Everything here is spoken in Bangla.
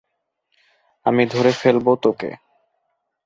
আমি ধরে ফেলব তোকে।